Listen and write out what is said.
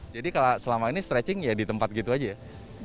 jadi kalau selama ini stretching ya di tempat gitu aja ya